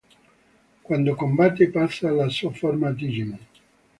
Quando combatte passa alla sua forma Digimon.